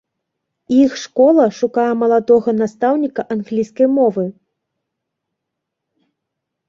Іх школа шукае маладога настаўніка англійскай мовы.